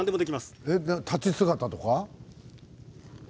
立ち姿とか。